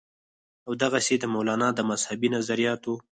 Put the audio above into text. او دغسې د مولانا د مذهبي نظرياتو